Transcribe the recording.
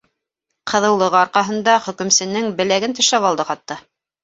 Ҡыҙыулығы арҡаһында хөкөмсөнөң беләген тешләп алды, хатта.